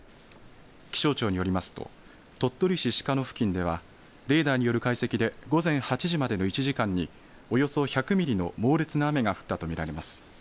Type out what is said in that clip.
気象庁によりますと、鳥取市鹿野付近では、レーダーによる解析で午前８時までの１時間におよそ１００ミリの猛烈な雨が降ったと見られます。